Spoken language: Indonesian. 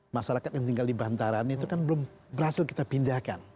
masyarakat yang tinggal di bantaran itu kan belum berhasil kita pindahkan